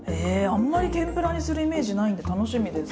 あんまり天ぷらにするイメージないんで楽しみです。